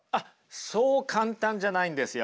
そう簡単じゃないんですよ。